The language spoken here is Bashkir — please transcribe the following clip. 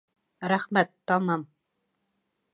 Рәхмәт, тамам